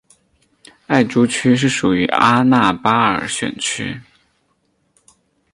艾珠区是属于阿纳巴尔选区。